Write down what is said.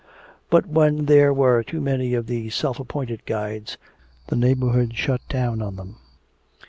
But when there were too many of these self appointed guides, the neighborhood shut down on them.